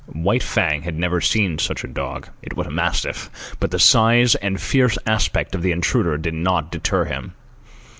White Fang had never seen such a dog (it was a mastiff); but the size and fierce aspect of the intruder did not deter him.